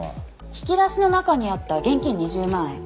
引き出しの中にあった現金２０万円。